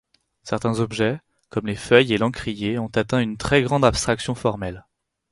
Certains objets, comme les feuilles et l'encrier ont atteint une très grande abstraction formelle.